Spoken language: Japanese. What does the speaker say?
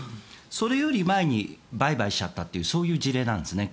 それより前に売買しちゃったというそういう事例なんですね